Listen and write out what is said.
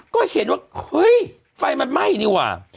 ก็เห็นว่าเฮ้ยไฟมันไหม้นี่ว่ะ